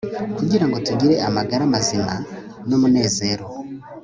kugira ngo tugire amagara mazima numunezero